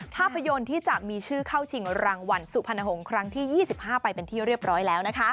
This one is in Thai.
ภาพยนตร์ที่จะมีชื่อเข้าชิงรางวัลสุพรรณหงษ์ครั้งที่๒๕ไปเป็นที่เรียบร้อยแล้ว